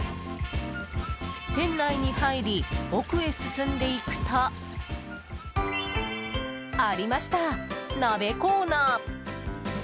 店内に入り、奥へ進んでいくとありました、鍋コーナー。